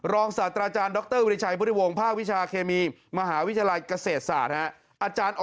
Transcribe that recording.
รองสตราจารย์ดรวิทยาชาวิจัยปฏิวงศ์ภาควิชาเคมีมหาวิทยาลัยเกษตรศาสตร์